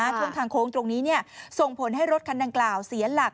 ช่วงทางโค้งตรงนี้ส่งผลให้รถคันดังกล่าวเสียหลัก